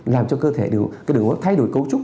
làm cho cơ thể đường hô hấp thay đổi cấu trúc